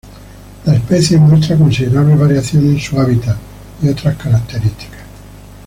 La especie muestra considerables variaciones en su hábitat y otras características.